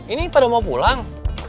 ini pada mau pulang